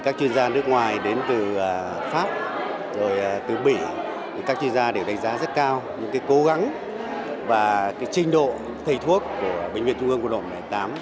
các chuyên gia nước ngoài đến từ pháp từ bỉ các chuyên gia đều đánh giá rất cao những cố gắng và trình độ thầy thuốc của bệnh viện trung ương quân đội một trăm linh tám